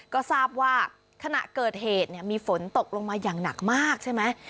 ก็ทราบว่าขณะเกิดเหตุมีฝนตกลงมาอย่างหนักมากใช่ไหม